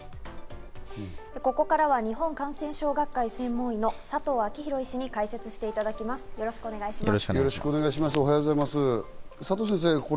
ここからは日本感染症学会専門医の佐藤昭裕医師に解説していただきます、よろしくお願いします。